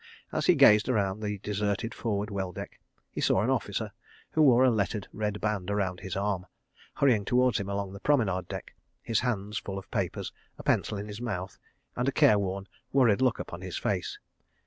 As he gazed around the deserted forward well deck, he saw an officer, who wore a lettered red band round his arm, hurrying towards him along the promenade deck, his hands full of papers, a pencil in his mouth, and a careworn, worried look upon his face.